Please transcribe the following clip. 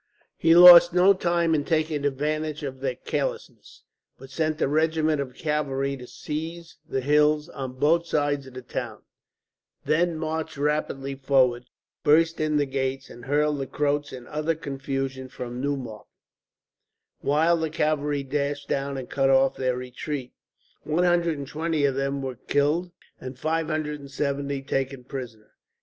He lost no time in taking advantage of their carelessness, but sent a regiment of cavalry to seize the hills on both sides of the town; then marched rapidly forward, burst in the gates, and hurled the Croats in utter confusion from Neumarkt, while the cavalry dashed down and cut off their retreat. One hundred and twenty of them were killed, and five hundred and seventy taken prisoners.